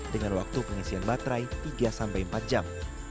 dengan waktu pengisian baterai tiga empat jam